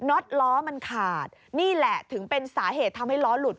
็อตล้อมันขาดนี่แหละถึงเป็นสาเหตุทำให้ล้อหลุด